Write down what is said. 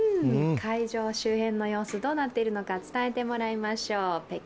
会場周辺の様子どうなっているのか伝えてもらいましょう。